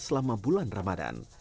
selama bulan ramadan